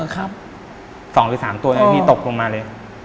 ๒หรือ๓ตัวไงพี่ตกลงมาเลย